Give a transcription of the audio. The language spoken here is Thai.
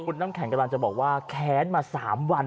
คุณน้ำแข็งกำลังจะบอกว่าแค้นมา๓วัน